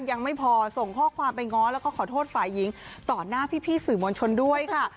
ยังไม่พอส่งข้อความไปง้อแล้วก็ขอโทษฝ่ายหญิงต่อหน้าพี่สื่อมวลชนด้วยค่ะ